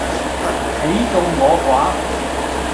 彼眾我寡